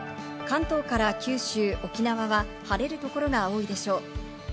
関東から九州、沖縄は晴れる所が多いでしょう。